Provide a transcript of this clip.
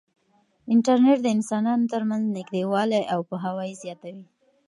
انټرنیټ د انسانانو ترمنځ نږدېوالی او پوهاوی زیاتوي.